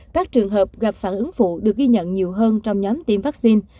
các trường hợp gặp phản ứng phụ được ghi nhận nhiều hơn trong nhóm tiêm vaccine